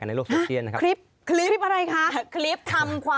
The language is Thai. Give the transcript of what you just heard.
สนุนโดยอีซุสุข